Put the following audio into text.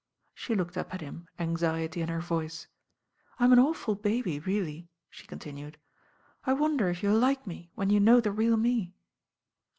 She looked up at him, anxiety in her voice. "I'm an awful baby really," she continued. "I wonder if you'll like me when you know the real me."